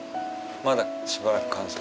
まだしばらく乾燥。